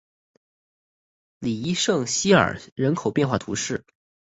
里伊圣西尔人口变化图示